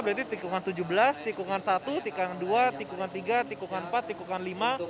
berarti tikungan tujuh belas tikungan satu tikungan dua tikungan tiga tikungan empat tikungan lima